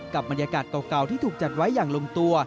บรรยากาศเก่าที่ถูกจัดไว้อย่างลงตัว